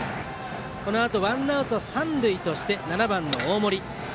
このあとワンアウト、三塁として７番の大森。